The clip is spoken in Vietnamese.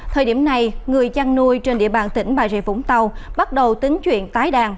thời điểm này người chăn nuôi trên địa bàn tỉnh bà rịa vũng tàu bắt đầu tính chuyện tái đàn